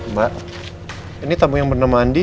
mbak ini tamu yang bernama andi